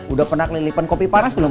udah pernah kelilipan kopi panas belum